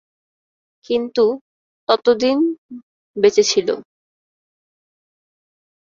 কিন্তু ততদিন বেঁচে ছিলো।